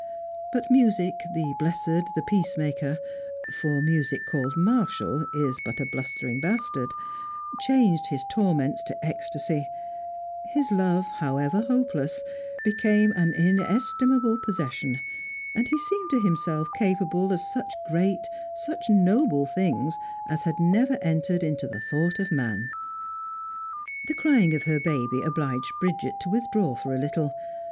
But music, the blessed, the peacemaker (for music called martial is but a blustering bastard), changed his torments to ecstasy; his love, however hopeless, became an inestimable possession, and he seemed to himself capable of such great, such noble things as had never entered into the thought of man. The crying of her baby obliged Bridget to withdraw for a little.